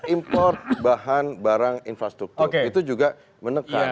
import bahan barang infrastruktur itu juga menekan